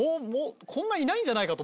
こんないないんじゃないかと。